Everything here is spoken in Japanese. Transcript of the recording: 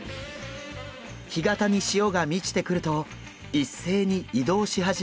干潟に潮が満ちてくると一斉に移動し始めました。